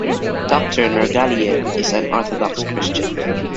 Doctor Nurgaliyev is an Orthodox Christian.